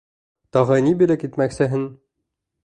Тағы ни бүләк итмәксеһең?